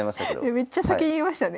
めっちゃ先に言いましたね。